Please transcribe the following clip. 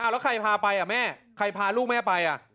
แล้วใครพาไปแม่ใครพาลูกแม่ไป